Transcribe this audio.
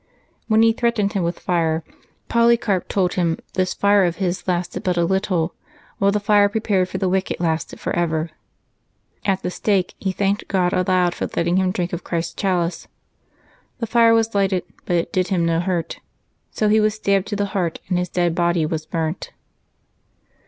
When he threat ened him with fire, Polycarp told him this fire of his lasted but a little, while the fire prepared for the wicked lasted forever. At the stake he thanked God aloud for letting him drink of Christ's chalice. The fire was lighted, but it did him no hurt; so he was stabbed to the heart, and his dead body was burnt.